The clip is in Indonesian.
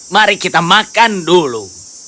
mari kita makan dulu